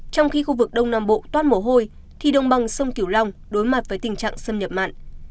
trong khi khu vực đông nam bộ toát mồ hôi thì đồng bằng sông kiểu long đối mặt với tình trạng xâm nhập mặn